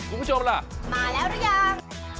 คุณผู้ชมล่ะมาแล้วหรือยัง